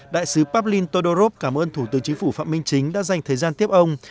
đại sứ pablin todorov cảm ơn thủ tướng chính phủ phạm minh chính đã dành thời gian tiếp ông